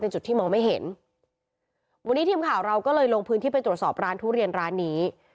จุดที่มองไม่เห็นวันนี้ทีมข่าวเราก็เลยลงพื้นที่ไปตรวจสอบร้านทุเรียนร้านนี้